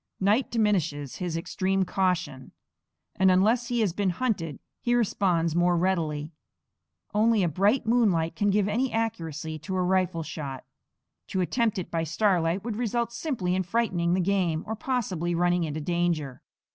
Night diminishes his extreme caution, and unless he has been hunted he responds more readily. Only a bright moonlight can give any accuracy to a rifle shot. To attempt it by starlight would result simply in frightening the game, or possibly running into danger.